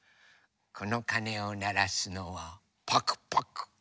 このかねをならすのはパクパク。